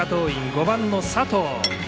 ５番の佐藤。